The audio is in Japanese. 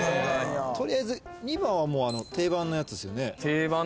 取りあえず２番はもう定番のやつですよね。